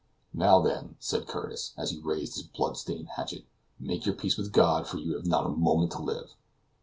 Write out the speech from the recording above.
"Now then," said Curtis, as he raised his blood stained hatchet, "make your peace with God, for you have not a moment to live."